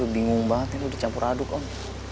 bingung banget ini udah campur aduk om